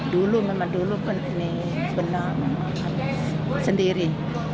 dulu memang dulu penang sendiri